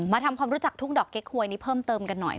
ทำความรู้จักทุ่งดอกเก๊กหวยนี้เพิ่มเติมกันหน่อย